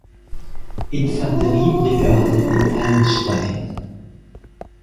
Infanterie-Brigade in Allenstein.